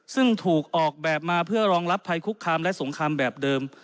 ซึ่งถูกออกแบบมาเพื่อรองรับภัยคุกคามและสงครามแบบเดิม